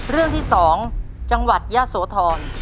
เรื่องที่๒จังหวัดยะโสธร